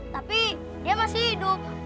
tapi dia masih hidup